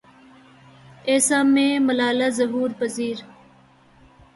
اَیسا میں ملالہ ظہور پزیر